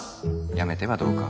辞めてはどうか？